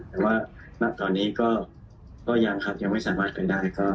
แต่ว่าณตอนนี้ก็ยังครับยังไม่สามารถเป็นได้